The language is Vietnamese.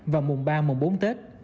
vào mùa ba bốn tết